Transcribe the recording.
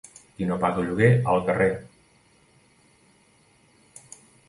Qui no paga lloguer, al carrer.